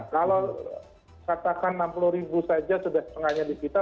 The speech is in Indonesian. kalau katakan enam puluh ribu saja sudah setengahnya disita